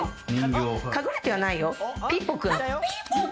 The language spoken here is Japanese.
隠れてはないよ、ピーポくん。